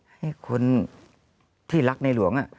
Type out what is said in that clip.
ให้คนที่รักในหลวง